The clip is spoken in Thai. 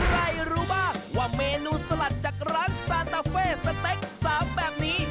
รู้บ้างว่าเมนูสลัดจากร้านซานตาเฟ่สเต็ก๓แบบนี้